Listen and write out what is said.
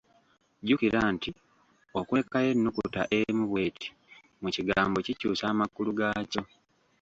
Jjukira nti okulekayo ennukuta emu bw'eti mu kigambo kikyusa amakulu gaakyo.